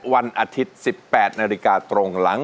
วันอาทิตย์๑๘นาฬิกาตรงหลัง